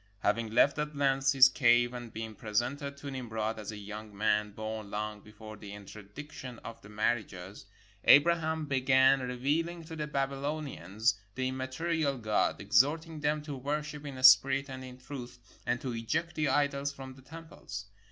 Having left at length his cave and been presented to Nimrod as a young man born long before the interdic tion of the marriages, Abraham began revealing to the Babylonians the immaterial God, exhorting them to worship in spirit and in truth, and to eject the idols from the temples.